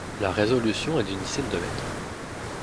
La résolution est d'une dizaine de mètres.